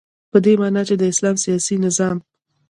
په دی معنا چی د اسلام سیاسی نظام